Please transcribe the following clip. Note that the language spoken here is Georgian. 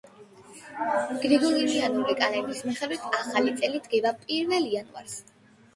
გრიგორიანული კალენდრის მიხედვით, ახალი წელი დგება პირველ იანვარს.